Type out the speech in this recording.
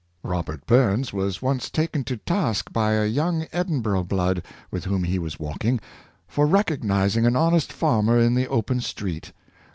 Robert Burns was once taken to task by a young Edinburgh blood, with whom he was v/alking, for recognizing an honest farmer in the open street.